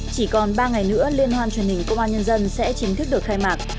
chỉ còn ba ngày nữa liên hoan truyền hình công an nhân dân sẽ chính thức được khai mạc